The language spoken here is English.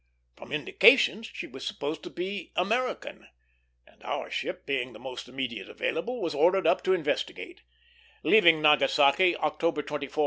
From indications she was supposed to be American, and our ship, being the most immediately available, was ordered up to investigate; leaving Nagasaki October 24, 1868.